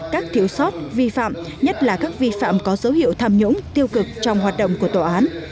các thiếu sót vi phạm nhất là các vi phạm có dấu hiệu tham nhũng tiêu cực trong hoạt động của tòa án